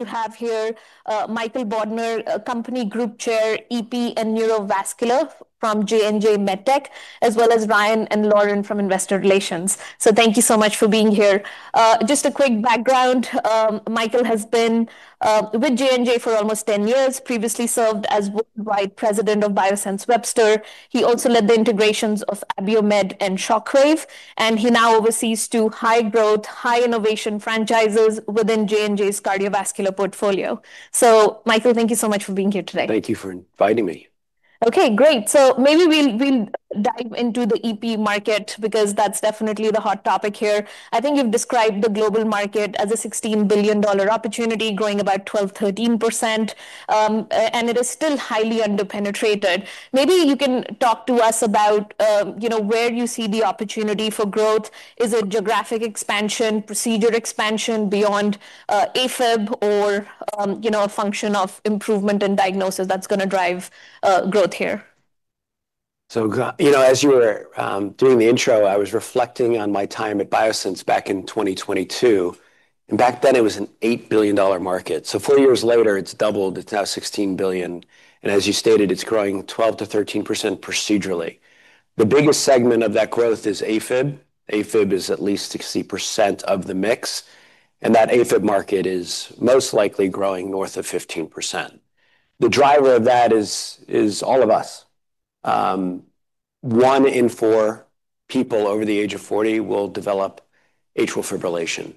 To have here, Michael Bodner, Company Group Chair, EP and Neurovascular from J&J MedTech, as well as Ryan and Lauren from investor relations. Thank you so much for being here. Just a quick background, Michael has been with J&J for almost 10 years. Previously served as Worldwide President of Biosense Webster. He also led the integrations of Abiomed and Shockwave, and he now oversees two high-growth, high-innovation franchises within J&J's cardiovascular portfolio. Michael, thank you so much for being here today. Thank you for inviting me. Okay, great. Maybe we'll dive into the EP market because that's definitely the hot topic here. I think you've described the global market as a $16 billion opportunity growing about 12%-13%, and it is still highly under-penetrated. Maybe you can talk to us about, you know, where you see the opportunity for growth. Is it geographic expansion, procedure expansion beyond AFib or, you know, a function of improvement in diagnosis that's gonna drive growth here? You know, as you were doing the intro, I was reflecting on my time at Biosense back in 2022, and back then it was an $8 billion market. Four years later, it's doubled. It's now $16 billion, and as you stated, it's growing 12%-13% procedurally. The biggest segment of that growth is AFib. AFib is at least 60% of the mix, and that AFib market is most likely growing north of 15%. The driver of that is all of us. One in four people over the age of 40 will develop atrial fibrillation,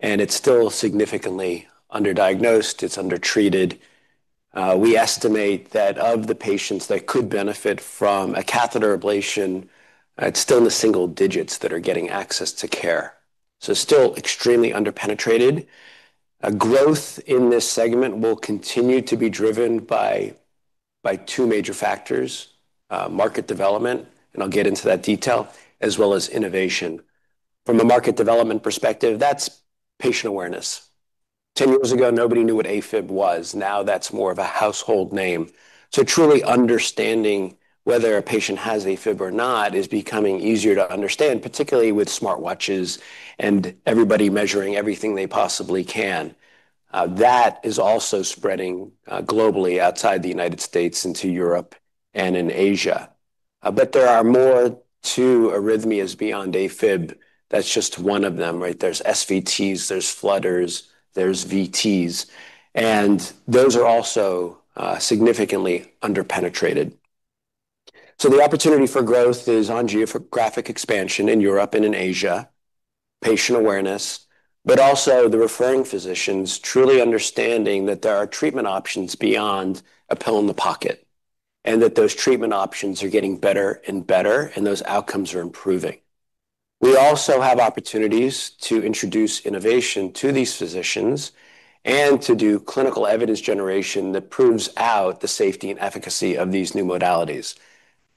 and it's still significantly under-diagnosed. It's under-treated. We estimate that of the patients that could benefit from a catheter ablation, it's still in the single digits that are getting access to care, so still extremely under-penetrated. A growth in this segment will continue to be driven by two major factors: market development, and I'll get into that detail, as well as innovation. From a market development perspective, that's patient awareness. 10 years ago, nobody knew what AFib was. Now, that's more of a household name. Truly understanding whether a patient has AFib or not is becoming easier to understand, particularly with smartwatches and everybody measuring everything they possibly can. That is also spreading globally outside the United States into Europe and in Asia. There are more to arrhythmias beyond AFib. That's just one of them, right? There's SVTs, there's flutters, there's VTs, those are also significantly under-penetrated. The opportunity for growth is on geographic expansion in Europe and in Asia, patient awareness, but also the referring physicians truly understanding that there are treatment options beyond a pill in the pocket, and that those treatment options are getting better and better, and those outcomes are improving. We also have opportunities to introduce innovation to these physicians and to do clinical evidence generation that proves out the safety and efficacy of these new modalities.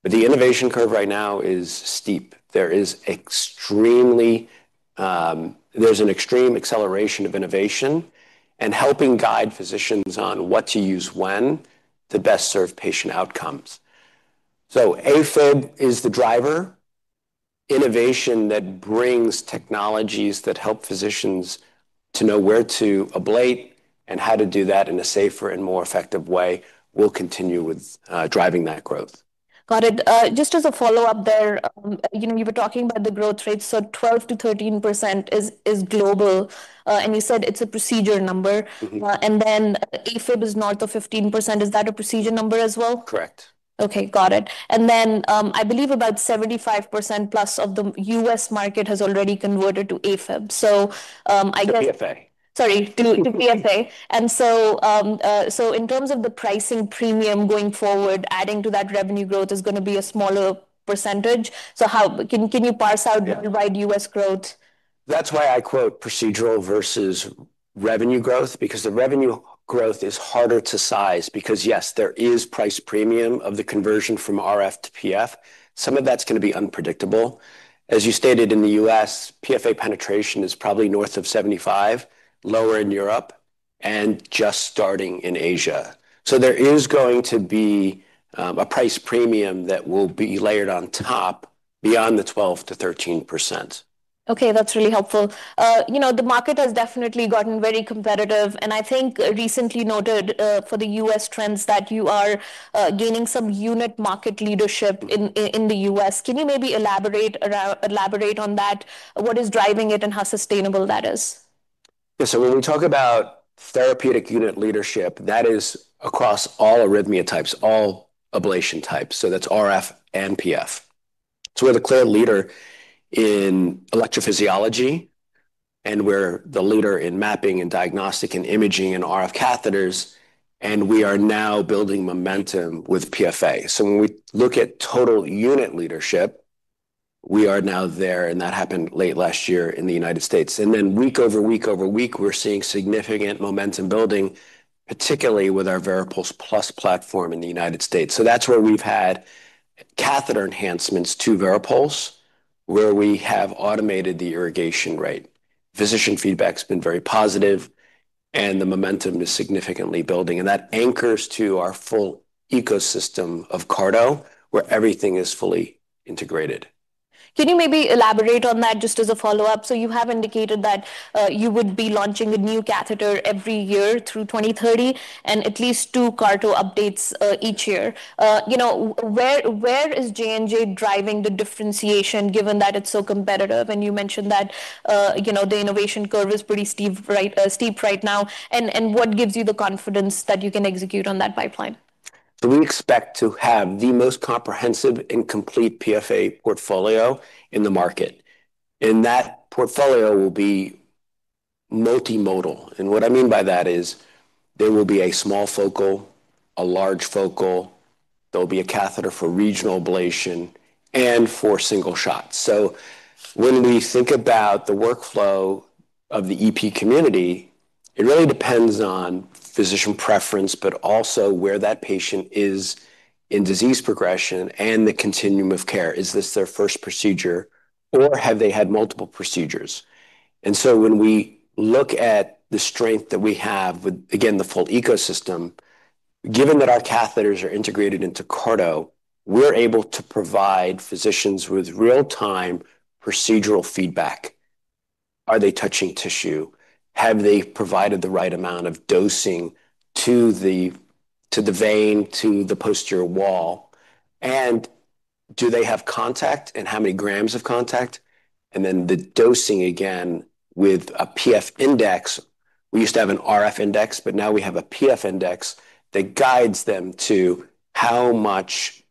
The innovation curve right now is steep. There is extremely, there is an extreme acceleration of innovation and helping guide physicians on what to use when to best serve patient outcomes. AFib is the driver. Innovation that brings technologies that help physicians to know where to ablate and how to do that in a safer and more effective way will continue with driving that growth. Got it. Just as a follow-up there, you know, you were talking about the growth rates, so 12%-13% is global, and you said it's a procedure number. AFib is north of 15%. Is that a procedure number as well? Correct. Okay, got it. I believe about 75% plus of the U.S. market has already converted to AFib. To PFA. Sorry, to PFA. In terms of the pricing premium going forward, adding to that revenue growth is going to be a smaller percentage. Can you parse out- Yeah. Worldwide U.S. growth? That's why I quote procedural versus revenue growth because the revenue growth is harder to size because, yes, there is price premium of the conversion from RF to PF. Some of that's gonna be unpredictable. As you stated, in the U.S., PFA penetration is probably north of 75%, lower in Europe, and just starting in Asia. There is going to be a price premium that will be layered on top beyond the 12%-13%. Okay, that's really helpful. you know, the market has definitely gotten very competitive, and I think recently noted for the U.S. trends that you are gaining some unit market leadership in the U.S. Can you maybe elaborate on that? What is driving it, and how sustainable that is? When we talk about therapeutic unit leadership, that is across all arrhythmia types, all ablation types, so that's RF and PF. We're the clear leader in electrophysiology, and we're the leader in mapping and diagnostic and imaging and RF catheters, and we are now building momentum with PFA. When we look at total unit leadership, we are now there, and that happened late last year in the United States. Week over week over week, we're seeing significant momentum building, particularly with our VARIPULSE Plus platform in the United States. That's where we've had catheter enhancements to VARIPULSE, where we have automated the irrigation rate. Physician feedback's been very positive, and the momentum is significantly building, and that anchors to our full ecosystem of CARTO, where everything is fully integrated. Can you maybe elaborate on that just as a follow-up? You have indicated that you would be launching a new catheter every year through 2030 and at least two CARTO updates each year. You know, where is J&J driving the differentiation given that it's so competitive? You mentioned that, you know, the innovation curve is pretty steep right, steep right now, and what gives you the confidence that you can execute on that pipeline? We expect to have the most comprehensive and complete PFA portfolio in the market. That portfolio will be multimodal. What I mean by that is there will be a small focal, a large focal, there'll be a catheter for regional ablation, and for single shots. When we think about the workflow of the EP community, it really depends on physician preference, but also where that patient is in disease progression and the continuum of care. Is this their first procedure, or have they had multiple procedures? When we look at the strength that we have with, again, the full ecosystem, given that our catheters are integrated into CARTO, we're able to provide physicians with real-time procedural feedback. Are they touching tissue? Have they provided the right amount of dosing to the vein, to the posterior wall? Do they have contact, and how many grams of contact? The dosing again with a PF index. We used to have an Ablation Index, but now we have a PF index that guides them to how much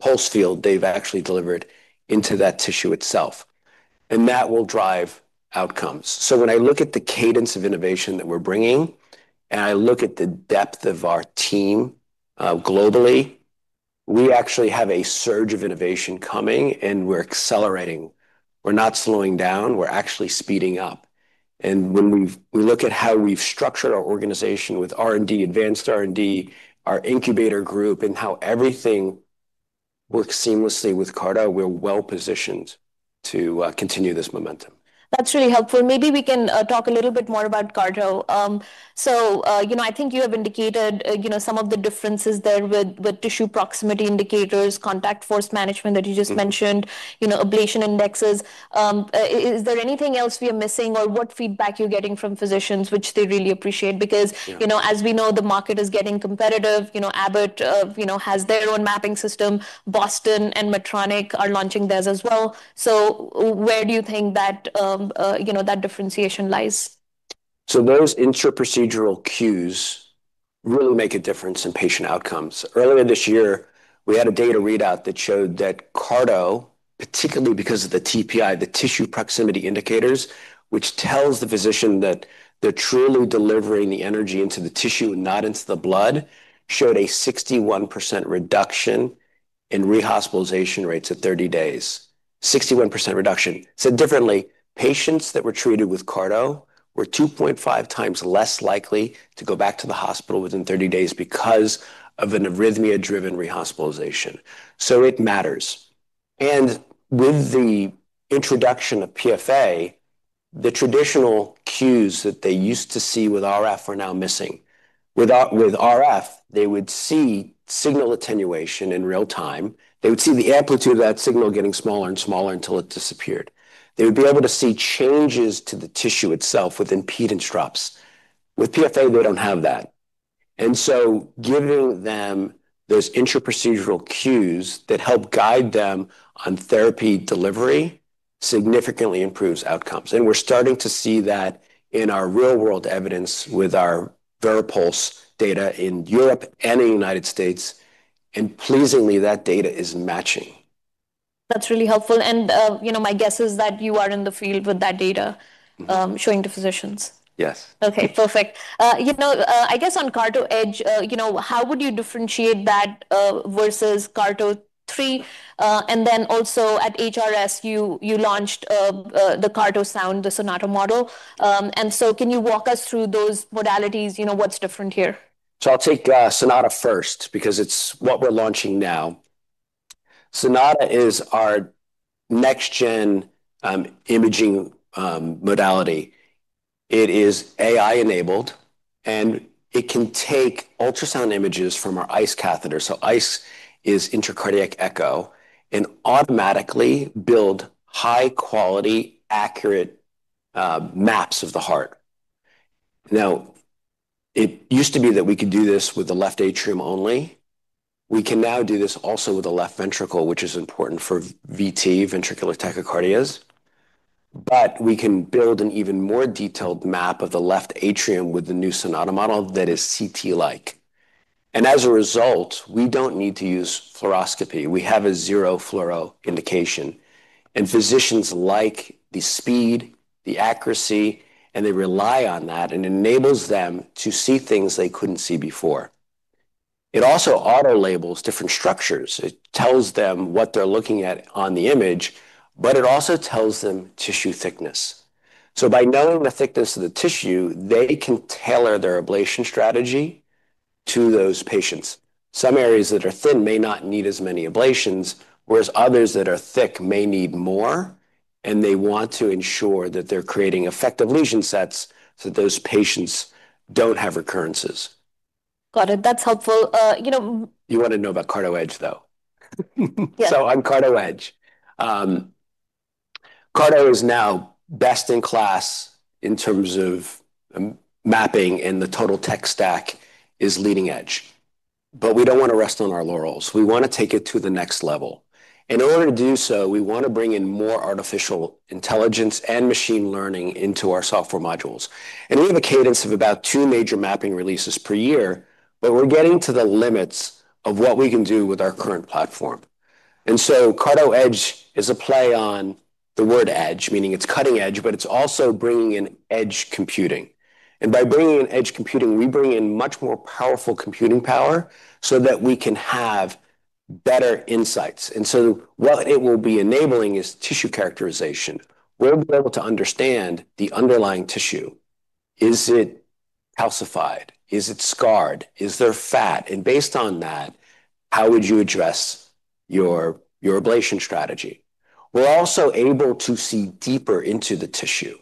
pulsed field they've actually delivered into that tissue itself, and that will drive outcomes. When I look at the cadence of innovation that we're bringing, and I look at the depth of our team globally, we actually have a surge of innovation coming, and we're accelerating. We're not slowing down. We're actually speeding up. When we look at how we've structured our organization with R&D, advanced R&D, our incubator group, and how everything works seamlessly with CARTO, we're well-positioned to continue this momentum. That's really helpful. Maybe we can talk a little bit more about CARTO. You know, I think you have indicated, you know, some of the differences there with tissue proximity indicators, contact force management that you just mentioned. You know, Ablation Indexes. Is there anything else we are missing or what feedback you're getting from physicians which they really appreciate? Yeah. You know, as we know, the market is getting competitive. You know, Abbott, you know, has their own mapping system. Boston and Medtronic are launching theirs as well. Where do you think that, you know, that differentiation lies? Those intraprocedural cues really make a difference in patient outcomes. Earlier this year, we had a data readout that showed that CARTO, particularly because of the TPI, the tissue proximity indicators, which tells the physician that they're truly delivering the energy into the tissue and not into the blood, showed a 61% reduction in rehospitalization rates at 30 days. 61% reduction. Said differently, patients that were treated with CARTO were 2.5x less likely to go back to the hospital within 30 days because of an arrhythmia-driven rehospitalization. It matters. With the introduction of PFA, the traditional cues that they used to see with RF are now missing. With RF, they would see signal attenuation in real time. They would see the amplitude of that signal getting smaller and smaller until it disappeared. They would be able to see changes to the tissue itself with impedance drops. With PFA, they don't have that. Giving them those intraprocedural cues that help guide them on therapy delivery significantly improves outcomes. We're starting to see that in our real-world evidence with our VARIPULSE data in Europe and the United States, and pleasingly, that data is matching. That's really helpful. you know, my guess is that you are in the field with that data. Showing to physicians. Yes. Okay. Perfect. You know, I guess on CARTO EDGE, you know, how would you differentiate that versus CARTO three? Also at HRS, you launched the CARTOSOUND, the Sonata model. Can you walk us through those modalities? You know, what's different here? I'll take Sonata first because it's what we're launching now. Sonata is our next-gen imaging modality. It is AI-enabled, and it can take ultrasound images from our ICE catheter, so ICE is intracardiac echo, and automatically build high-quality, accurate maps of the heart. It used to be that we could do this with the left atrium only. We can now do this also with the left ventricle, which is important for VT, ventricular tachycardias. We can build an even more detailed map of the left atrium with the new Sonata model that is CT-like. As a result, we don't need to use fluoroscopy. We have a zero fluoro indication, and physicians like the speed, the accuracy, and they rely on that, and it enables them to see things they couldn't see before. It also auto-labels different structures. It tells them what they're looking at on the image, but it also tells them tissue thickness. By knowing the thickness of the tissue, they can tailor their ablation strategy to those patients. Some areas that are thin may not need as many ablations, whereas others that are thick may need more, and they want to ensure that they're creating effective lesion sets so those patients don't have recurrences. Got it. That's helpful. You know. You wanna know about CARTO EDGE, though. Yeah. On CARTO EDGE, CARTO is now best in class in terms of mapping and the total tech stack is leading edge. We don't wanna rest on our laurels. We wanna take it to the next level. In order to do so, we wanna bring in more artificial intelligence and machine learning into our software modules. We have a cadence of about two major mapping releases per year, but we're getting to the limits of what we can do with our current platform. CARTO EDGE is a play on the word edge, meaning it's cutting edge, but it's also bringing in edge computing. By bringing in edge computing, we bring in much more powerful computing power so that we can have better insights. What it will be enabling is tissue characterization, where we're able to understand the underlying tissue. Is it calcified? Is it scarred? Is there fat? Based on that, how would you address your ablation strategy? We're also able to see deeper into the tissue,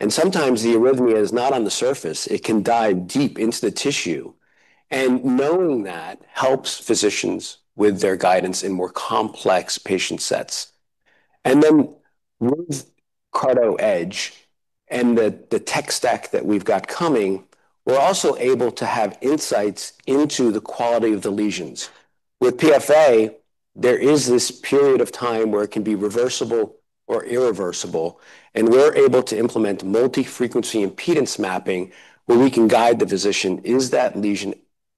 and sometimes the arrhythmia is not on the surface. It can dive deep into the tissue, and knowing that helps physicians with their guidance in more complex patient sets. With CARTO EDGE and the tech stack that we've got coming, we're also able to have insights into the quality of the lesions. With PFA, there is this period of time where it can be reversible or irreversible, and we're able to implement multi-frequency impedance mapping where we can guide the physician, is that lesion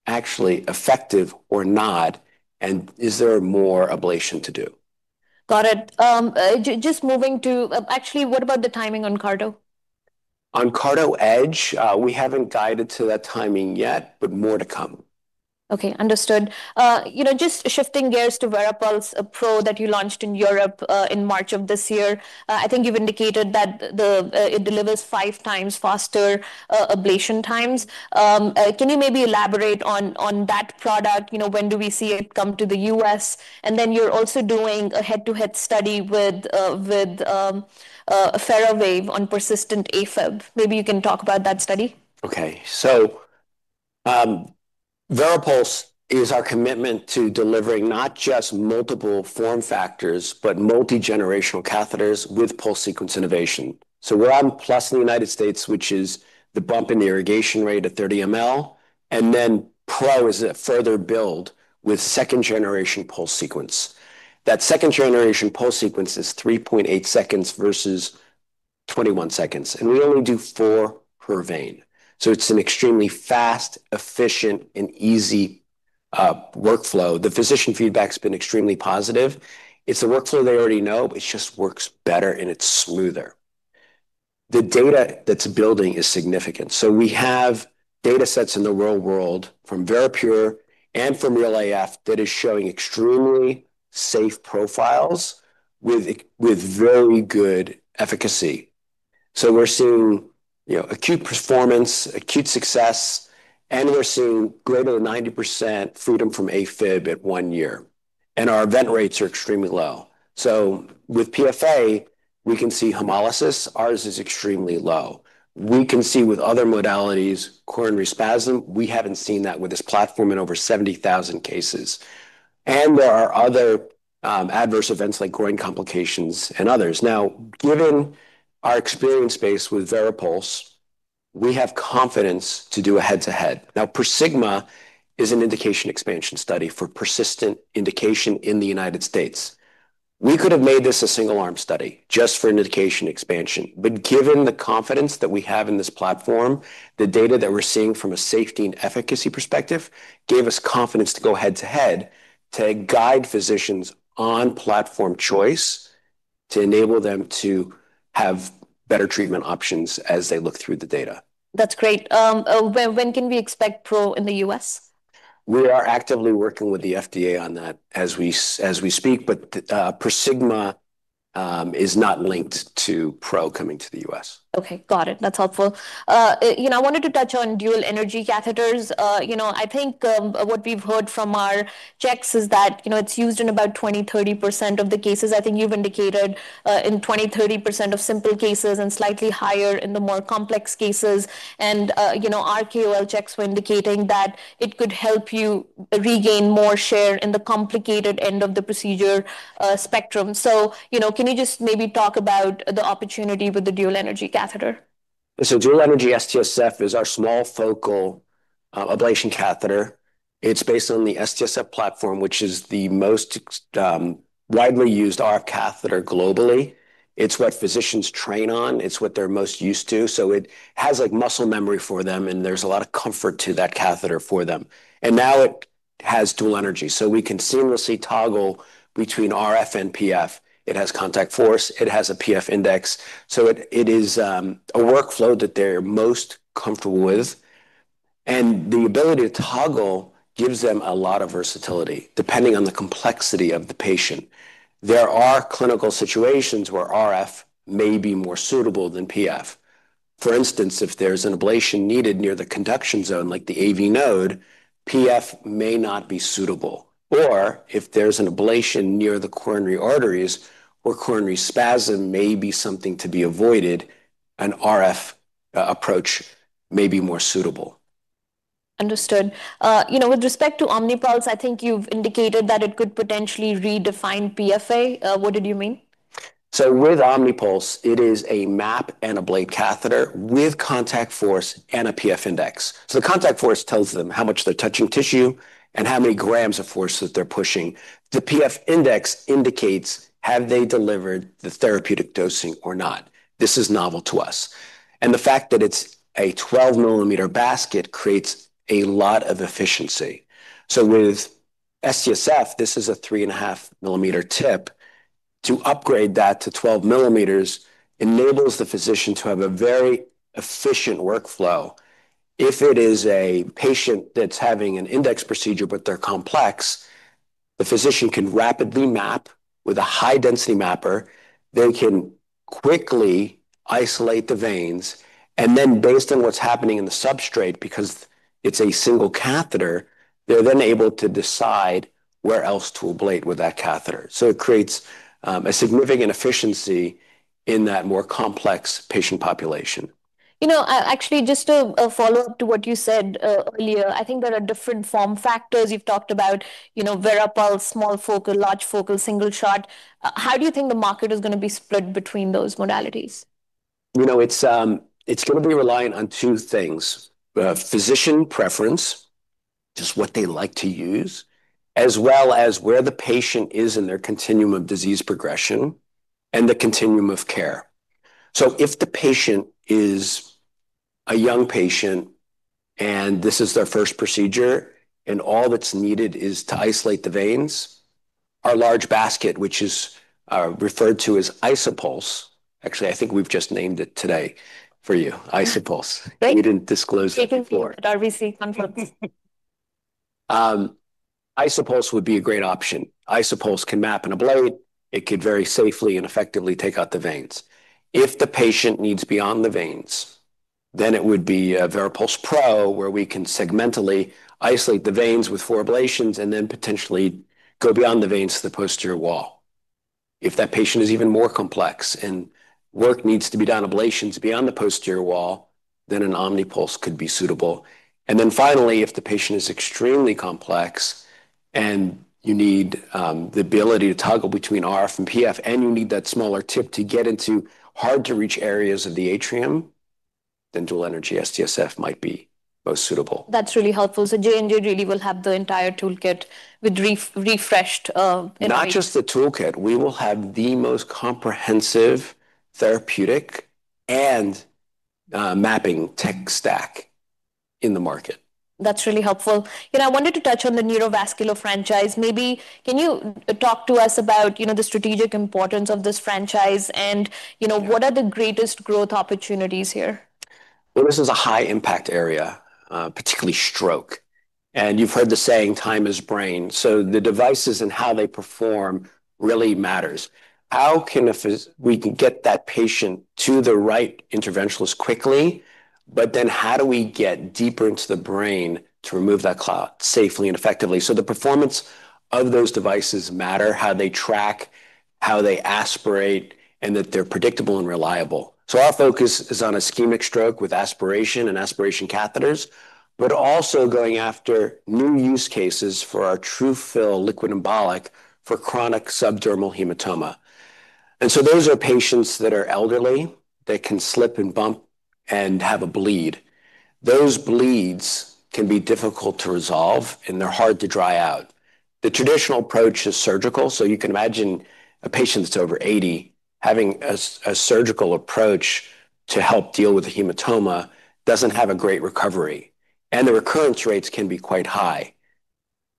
actually effective or not, and is there more ablation to do? Got it. just moving to, actually, what about the timing on CARTO? On CARTO EDGE, we haven't guided to that timing yet, but more to come. Okay. Understood. You know, just shifting gears to VARIPULSE Pro that you launched in Europe in March of this year. I think you've indicated that it delivers five times faster ablation times. Can you maybe elaborate on that product? You know, when do we see it come to the U.S.? You're also doing a head-to-head study with FARAWAVE on persistent AFib. Maybe you can talk about that study. Okay. VARIPULSE is our commitment to delivering not just multiple form factors, but multi-generational catheters with pulse sequence innovation. We're on Plus in the United States, which is the bump in the irrigation rate of 30 ml, and then Pro is a further build with second generation pulse sequence. That second generation pulse sequence is 3.8 seconds versus 21 seconds, and we only do four per vein, it's an extremely fast, efficient, and easy workflow. The physician feedback's been extremely positive. It's the workflow they already know, it just works better and it's smoother. The data that's building is significant, we have datasets in the real world from VARIPURE and from REAL AF that is showing extremely safe profiles with very good efficacy. We're seeing, you know, acute performance, acute success, we're seeing greater than 90% freedom from AFib at one year, and our event rates are extremely low. With PFA, we can see hemolysis. Ours is extremely low. We can see with other modalities coronary spasm. We haven't seen that with this platform in over 70,000 cases. There are other adverse events like groin complications and others. Given our experience base with VARIPULSE, we have confidence to do a head-to-head. PERSIGMA is an indication expansion study for persistent indication in the United States. We could have made this a single-arm study just for indication expansion, but given the confidence that we have in this platform, the data that we're seeing from a safety and efficacy perspective gave us confidence to go head-to-head to guide physicians on platform choice to enable them to have better treatment options as they look through the data. That's great. When can we expect Pro in the U.S.? We are actively working with the FDA on that as we speak, but PERSIGMA is not linked to Pro coming to the U.S. Okay. Got it. That's helpful. You know, I wanted to touch on dual energy catheters. You know, I think what we've heard from our checks is that, you know, it's used in about 20%-30% of the cases. I think you've indicated in 20%-30% of simple cases and slightly higher in the more complex cases. You know, our KOL checks were indicating that it could help you regain more share in the complicated end of the procedure, spectrum. You know, can you just maybe talk about the opportunity with the dual energy catheter? Dual energy STSF is our small focal ablation catheter. It's based on the STSF platform, which is the most widely used RF catheter globally. It's what physicians train on. It's what they're most used to, so it has, like, muscle memory for them, and there's a lot of comfort to that catheter for them. Now, it has dual energy, so we can seamlessly toggle between RF and PF. It has contact force. It has a PF index. It is a workflow that they're most comfortable with, and the ability to toggle gives them a lot of versatility depending on the complexity of the patient. There are clinical situations where RF may be more suitable than PF. For instance, if there's an ablation needed near the conduction zone, like the AV node, PF may not be suitable. If there's an ablation near the coronary arteries where coronary spasm may be something to be avoided. An RF approach may be more suitable. Understood. You know, with respect to OMNYPULSE, I think you've indicated that it could potentially redefine PFA. What did you mean? With OMNYPULSE, it is a map and ablate catheter with contact force and a PF index. The contact force tells them how much they're touching tissue and how many grams of force that they're pushing. The PF index indicates have they delivered the therapeutic dosing or not. This is novel to us. The fact that it's a 12-millimeter basket creates a lot of efficiency. With STSF, this is a 3.5-millimeter tip. To upgrade that to 12 millimeters enables the physician to have a very efficient workflow. If it is a patient that's having an index procedure but they're complex, the physician can rapidly map with a high-density mapper, they can quickly isolate the veins, and then based on what's happening in the substrate, because it's a single catheter, they're then able to decide where else to ablate with that catheter. It creates a significant efficiency in that more complex patient population. You know, actually just a follow-up to what you said earlier, I think there are different form factors. You've talked about, you know, VARIPULSE, small focal, large focal, single shot. How do you think the market is gonna be split between those modalities? You know, it's gonna be reliant on two things: physician preference, just what they like to use, as well as where the patient is in their continuum of disease progression and the continuum of care. If the patient is a young patient, and this is their first procedure, and all that's needed is to isolate the veins, our large basket, which is referred to as ISOPULSE. Actually, I think we've just named it today for you. ISOPULSE. Thank you. We didn't disclose it before. Thank you for the RBC conference. ISOPULSE would be a great option. ISOPULSE can map and ablate. It could very safely and effectively take out the veins. If the patient needs beyond the veins, then it would be VARIPULSE Pro, where we can segmentally isolate the veins with four ablations and then potentially go beyond the veins to the posterior wall. If that patient is even more complex and work needs to be done, ablations beyond the posterior wall, then an OMNYPULSE could be suitable. Finally, if the patient is extremely complex, and you need the ability to toggle between RF and PF, and you need that smaller tip to get into hard-to-reach areas of the atrium, then dual energy STSF might be most suitable. That's really helpful. J&J really will have the entire toolkit with refreshed, anyway. Not just the toolkit. We will have the most comprehensive therapeutic and mapping tech stack in the market. That's really helpful. You know, I wanted to touch on the neurovascular franchise. Maybe can you talk to us about, you know, the strategic importance of this franchise? Yeah. What are the greatest growth opportunities here? This is a high-impact area, particularly stroke. You've heard the saying, time is brain. The devices and how they perform really matters. How can we get that patient to the right interventionalist quickly, how do we get deeper into the brain to remove that clot safely and effectively? The performance of those devices matter, how they track, how they aspirate, and that they're predictable and reliable. Our focus is on ischemic stroke with aspiration and aspiration catheters, but also going after new use cases for our TRUFILL liquid embolic for chronic subdural hematoma. Those are patients that are elderly that can slip and bump and have a bleed. Those bleeds can be difficult to resolve, and they're hard to dry out. The traditional approach is surgical. You can imagine a patient that's over 80 having a surgical approach to help deal with the hematoma doesn't have a great recovery, and the recurrence rates can be quite high.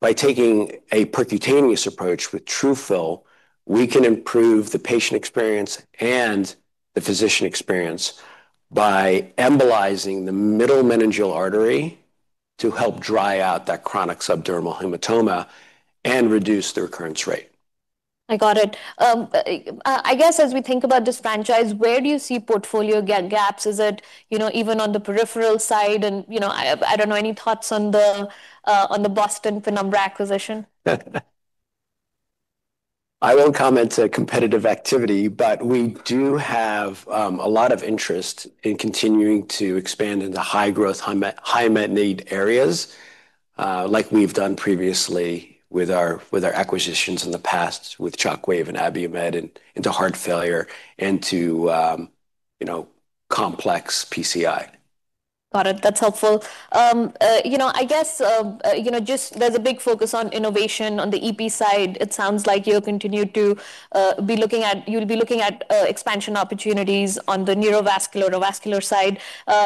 By taking a percutaneous approach with TRUFILL, we can improve the patient experience and the physician experience by embolizing the middle meningeal artery to help dry out that chronic subdural hematoma and reduce the recurrence rate. I got it. I guess as we think about this franchise, where do you see portfolio gaps? Is it, you know, even on the peripheral side and, you know, I don't know, any thoughts on the Boston Penumbra acquisition? I won't comment to competitive activity, but we do have a lot of interest in continuing to expand into high-growth, high unmet need areas, like we've done previously with our acquisitions in the past with Shockwave and Abiomed into heart failure, into, you know, complex PCI. Got it. That's helpful. you know, I guess, you know, just there's a big focus on innovation on the EP side. It sounds like you'll continue to, you'll be looking at expansion opportunities on the neurovascular or vascular side.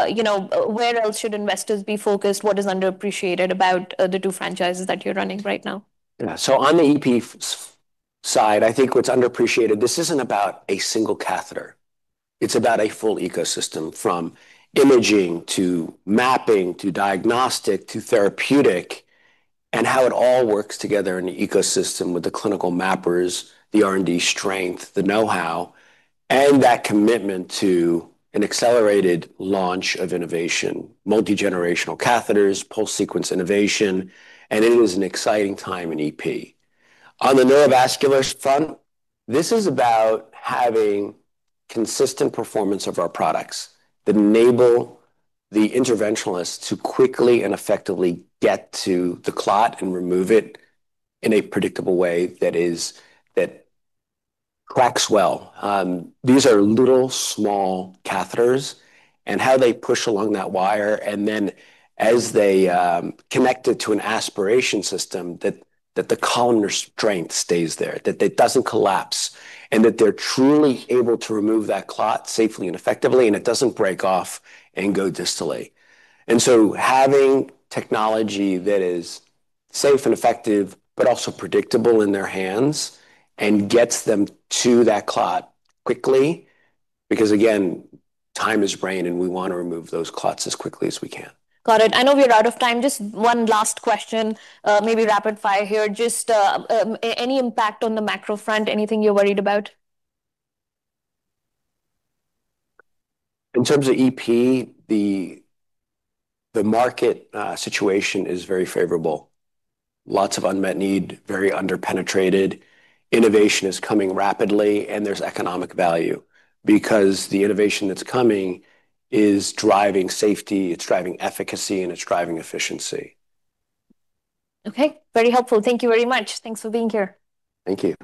you know, where else should investors be focused? What is underappreciated about, the two franchises that you're running right now? On the EP side, I think what's underappreciated, this isn't about a single catheter. It's about a full ecosystem, from imaging to mapping, to diagnostic, to therapeutic, and how it all works together in the ecosystem with the clinical mappers, the R&D strength, the know-how, and that commitment to an accelerated launch of innovation, multi-generational catheters, pulse sequence innovation, and it is an exciting time in EP. On the neurovascular front, this is about having consistent performance of our products that enable the interventionalist to quickly and effectively get to the clot and remove it in a predictable way that cracks well. These are little, small catheters, and how they push along that wire and then as they connect it to an aspiration system, that the column restraint stays there, that it doesn't collapse, and that they're truly able to remove that clot safely and effectively, and it doesn't break off and go distally. Having technology that is safe and effective but also predictable in their hands and gets them to that clot quickly, because, again, time is brain, and we want to remove those clots as quickly as we can. Got it. I know we are out of time. Just one last question, maybe rapid fire here. Just any impact on the macro front? Anything you're worried about? In terms of EP, the market situation is very favorable. Lots of unmet need, very under-penetrated. Innovation is coming rapidly. There's economic value because the innovation that's coming is driving safety, it's driving efficacy, and it's driving efficiency. Okay. Very helpful. Thank you very much. Thanks for being here. Thank you.